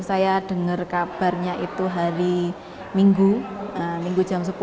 saya dengar kabarnya itu hari minggu jam sepuluh